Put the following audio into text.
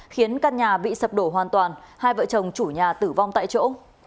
khiến căn nhà bị sập đổ hoàn toàn hai vợ chồng chủ nhà tử vong tại chỗ